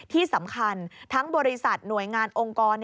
ที่สำคัญทั้งบริษัทหน่วยงานองค์กร